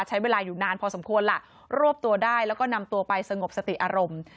ใช้เวลาอยู่นานพอสมควรล่ะรวบตัวได้แล้วก็นำตัวไปสงบสติอารมณ์